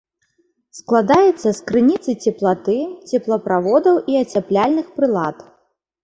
Складаецца з крыніцы цеплаты, цеплаправодаў і ацяпляльных прылад.